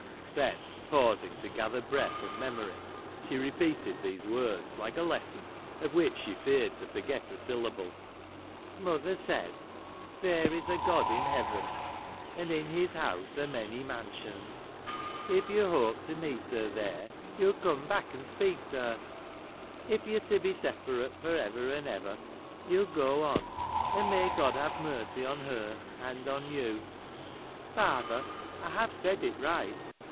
Then pausing to gather breath and memory, she repeated these . words, like a lesson of which she feared to forget a syl lable. " Mother saysy ' There is a God in Heaven ; and in His house are many mansions. If you hope to meet her there, you will come back and speak to her ; if you are to be sepa rate for ever and ever, you Avill go on ; and may God have mercy on her, and on you !' Father, I have said it right.